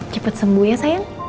cepet sembuh ya sayang